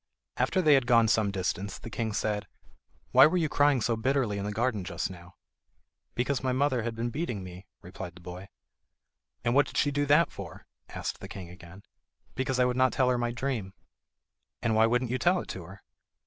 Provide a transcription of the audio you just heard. After they had gone some distance the king said: "Why were you crying so bitterly in the garden just now?" "Because my mother had been beating me," replied the boy. "And what did she do that for?" asked the king again. "Because I would not tell her my dream." "And why wouldn't you tell it to her?"